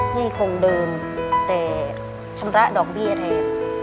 หนี้คงเดิมแต่ชำระดอกเบี้ยแทน